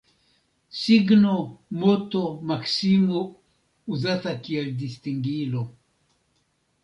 Signo, moto, maksimo uzata kiel distingilo.